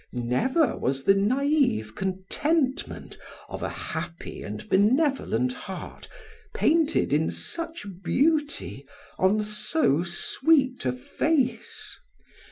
Never, was the naive contentment of a happy and benevolent heart painted in such beauty on so sweet a face.